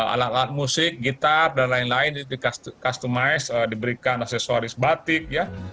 alat alat musik gitar dan lain lain itu customize diberikan aksesoris batik ya